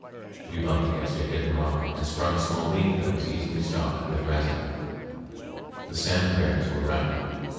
We bumped against a hidden rock and sprung a small leak that was easily stopped with resin. The salmon berries were ripe.